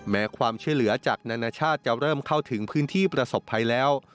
แม้ความช่วยเหลือจากนานาชาติจะเริ่มเข้าถึงพื้นที่ประสบภัยแล้ว